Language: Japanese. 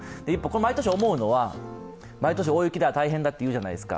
毎年思うのは、大雪で大変だというじゃないですか。